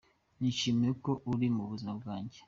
Nishimiye ko uri mu buzima bwajye”.